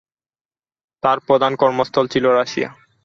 তাঁর প্রধান কর্মস্থল ছিল রাশিয়া।